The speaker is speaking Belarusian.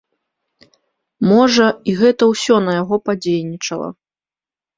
Можа, і гэта ўсё на яго падзейнічала.